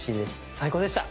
最高でした。